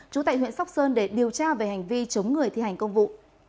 trú tại huyện sóc sơn để điều tra về hành vi chống người thi hành công vụ